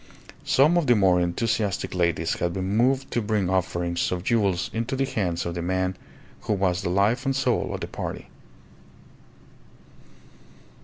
Some of the more enthusiastic ladies had been moved to bring offerings of jewels into the hands of the man who was the life and soul of the party.